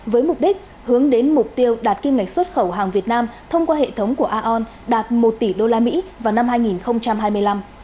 với mục đích hướng đến mục tiêu đạt kim ngạch xuất khẩu hàng việt nam thông qua hệ thống của aon đạt một tỷ usd vào năm hai nghìn hai mươi năm